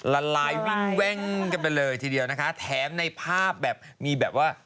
ละลายวิ่งแว่งกันไปเลยทีเดียวนะคะแถมในภาพแบบมีแบบว่า